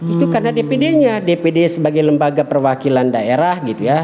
itu karena dpd nya dpd sebagai lembaga perwakilan daerah gitu ya